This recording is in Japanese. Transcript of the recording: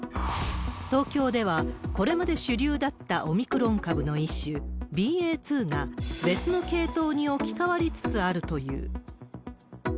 東京では、これまで主流だったオミクロン株の一種、ＢＡ．２が別の系統に置き換わりつつあるという。